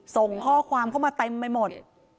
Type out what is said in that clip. ส่งข้อความเข้ามาเต็มไปหมด